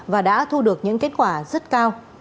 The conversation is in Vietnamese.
và đã thu được những kết quả rất cao